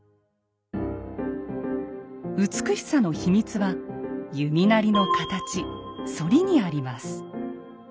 美しさの秘密は弓なりの形「反り」にあります。